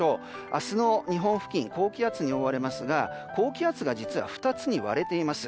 明日の日本付近、高気圧に覆われますが、実は高気圧が２つに割れています。